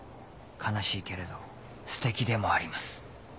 悲しいけれどステキでもあります